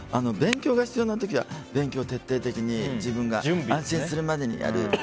勉強が必要な時は勉強を徹底的に自分が安心するまでやる。